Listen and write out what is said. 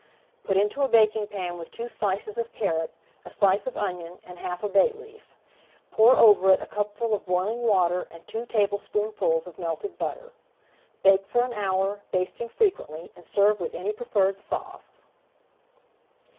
Put into a baking pan with two slices of carrot, a slice of onion, and half a bay leaf. Pour over it a cupful of boiling water and two tablespoonfuls of melted butter. Bake for an hour, basting frequently, and serve with any preferred sauce.